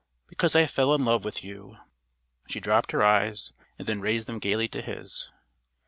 "Because I fell in love with you." She dropped her eyes, and then raised them gaily to his.